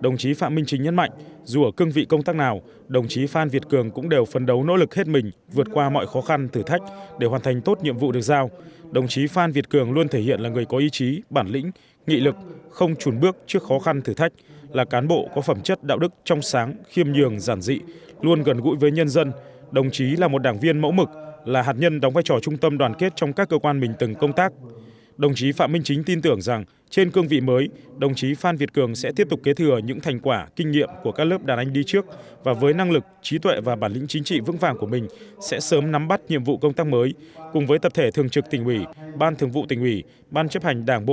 đồng chí phạm minh chính ủy viên trung ương đảng trưởng đoàn đại biểu quốc hội khóa một mươi bốn tỉnh quảng nam